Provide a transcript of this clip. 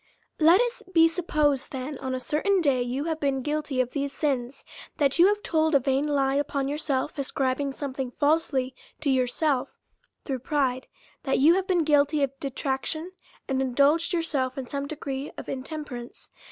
Let it be supposed, that on a certain day you have been guilty of these sins : that you have told a vain lie upon yourself, ascribing something falsely to yourself through pride ; that you have been guilty of detrac tion, and indulged yourself in some degree of intem perance.